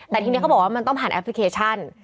แต่ทีนี้เขาบอกว่ามันต้องผ่านแอปพลิเคชัน